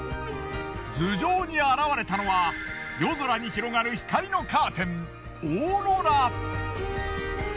頭上に現れたのは夜空に広がる光のカーテンオーロラ。